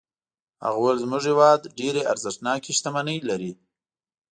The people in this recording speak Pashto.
هغه وویل زموږ هېواد ډېرې ارزښتناکې شتمنۍ لري.